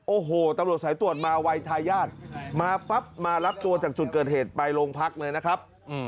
โอ้โหตำรวจสายตรวจมาวัยทายาทมาปั๊บมารับตัวจากจุดเกิดเหตุไปโรงพักเลยนะครับ